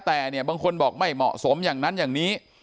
แต่เนี่ยบางคนบอกไม่เหมาะสมอย่างนั้นอย่างนี้